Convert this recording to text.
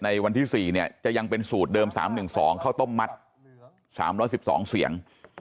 วันที่๔เนี่ยจะยังเป็นสูตรเดิม๓๑๒ข้าวต้มมัด๓๑๒เสียง